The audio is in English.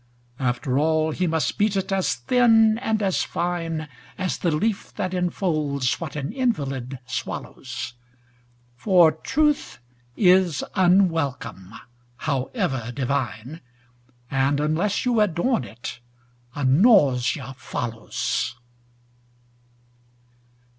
After all he must beat it as thin and as fine As the leaf that enfolds what an invalid swallows, For truth is unwelcome, however divine, And unless you adorn it, a nausea follows.